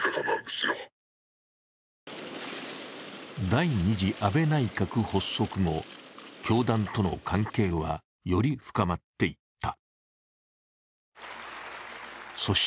第２次安倍内閣発足後、教団との関係はより深まっていった。